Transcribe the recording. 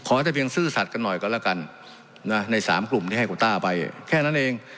จะเพียงซื่อสัตว์กันหน่อยก็แล้วกันนะใน๓กลุ่มที่ให้โคต้าไปแค่นั้นเอง